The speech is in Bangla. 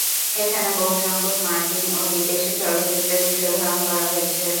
এখানে বহুসংখ্যক মার্কিন ও বিদেশী চলচ্চিত্রের দৃশ্যধারণ করা হয়েছে।